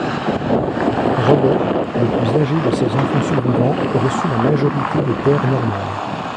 Robert, le plus âgé de ses enfants survivants reçut la majorité des terres normandes.